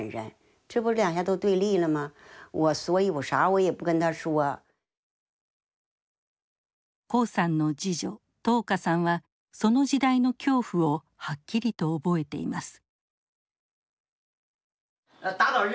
黄さんの次女董霞さんはその時代の恐怖をはっきりと覚えています。